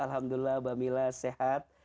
alhamdulillah bapak mila sehat